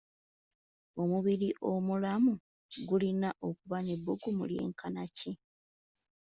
Omubiri omulamu gulina kuba na bbugumu lye nkanaki?